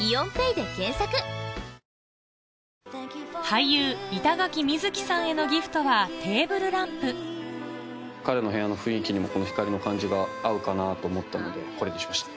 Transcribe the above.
俳優板垣瑞生さんへのギフトはテーブルランプ彼の部屋の雰囲気にもこの光の感じが合うかなと思ったのでこれにしました。